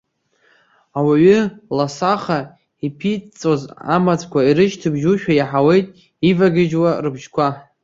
Ауаҩы ласаха иԥиҵәҵәоз амаҵәқәа ирышьҭыбжьушәа иаҳауеит ивагьежьуа рыбжьқәа.